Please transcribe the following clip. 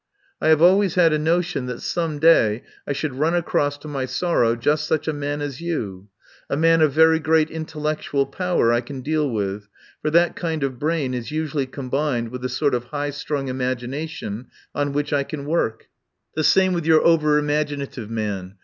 I have always had a notion that some day I should run across to my sorrow just such a man as you. A man of very great intellectual power I can deal with, for that kind of brain is usually combined with the sort of high strung imagination on which I can work. The 199 THE POWER HOUSE same with your over imaginative man.